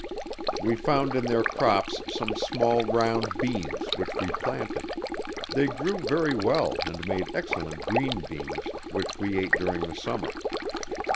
We found in their crops some small round beans, which we planted; they grew very well and made excellent green beans, which we ate during the summer.